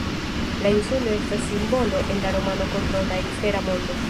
La insulo estas simbolo en la romano kontraŭ la ekstera mondo.